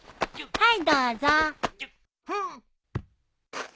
はい！